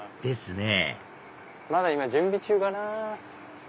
ですねまだ今準備中かな。